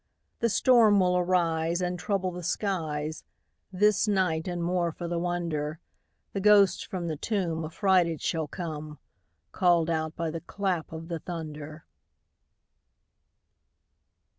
The storm will arise, And trouble the skies This night; and, more for the wonder, The ghost from the tomb Affrighted shall come, Call'd out by the clap of the thunder.